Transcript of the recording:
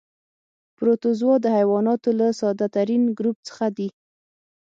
پروتوزوا د حیواناتو له ساده ترین ګروپ څخه دي.